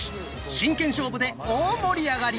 真剣勝負で大盛り上がり！